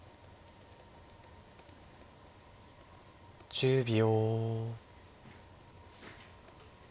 １０秒。